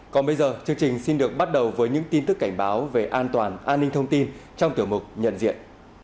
còn bây giờ chương trình xin được bắt đầu với những tin tức cảnh báo về an toàn an ninh thông tin trong tiểu mục nhận diện